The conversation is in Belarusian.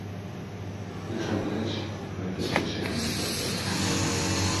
Насамрэч, гэта звычайны працэс.